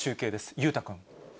裕太君。